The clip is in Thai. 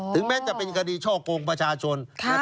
แม้จะเป็นคดีช่อกงประชาชน